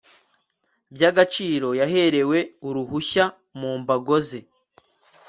by agaciro yaherewe uruhushya mu mbago ze